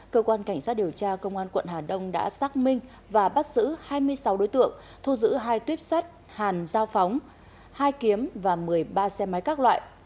cơ quan cảnh sát điều tra công an quận hà đông đã xác minh và bắt giữ hai mươi sáu đối tượng thu giữ hai tuyếp sắt hàn dao phóng hai kiếm và một mươi ba xe máy các loại